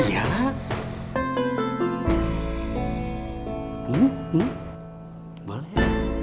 huh huh boleh